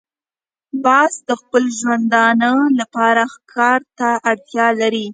باز د خپل ژوندانه لپاره ښکار ته اړتیا لري